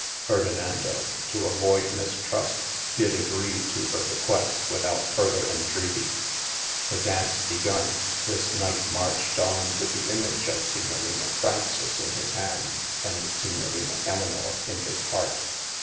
Ferdinando to avoyd mistrust, did agree too hir request without furder entreaty. The daunce begon, this Knight marched on with the Image of S. Frances in his hand, and S. Elynor in his hart.